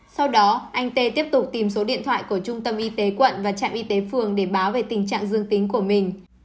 sau đó anh tê tiếp tục tìm số điện thoại của trung tâm y tế quận và trạm y tế phường để báo về tình trạng dương tính của mình